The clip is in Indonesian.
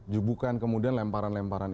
jubukan kemudian lemparan lemparan